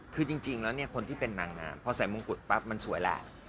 คือจริงแล้วเนี่ยคนที่เป็นนางงามพอใส่มงกุฎปั๊บมันสวยแหละ